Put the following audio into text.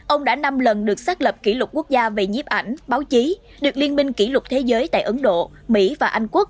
ông đã năm lần được xác lập kỷ lục quốc gia về nhiếp ảnh báo chí được liên minh kỷ lục thế giới tại ấn độ mỹ và anh quốc